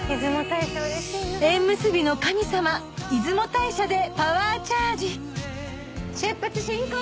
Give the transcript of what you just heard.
縁結びの神様出雲大社でパワーチャージ出発進行！